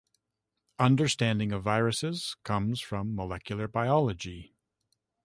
Understanding of viruses comes from molecular biology.